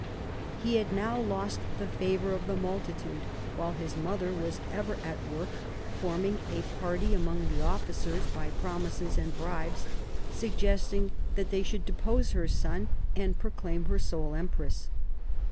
He had now lost the favor of the multitude, while his mother was ever at work forming a party among the officers by promises and bribes, suggesting that they should depose her son and proclaim her sole empress.